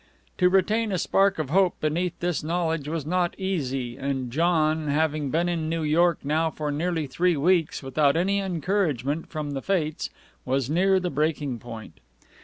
To retain a spark of hope beneath this knowledge was not easy and John, having been in New York now for nearly three weeks without any encouragement from the fates, was near the breaking point.